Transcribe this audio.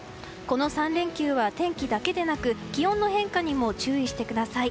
この３連休は天気だけでなく気温の変化にも注意してください。